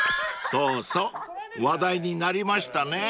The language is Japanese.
［そうそう話題になりましたね］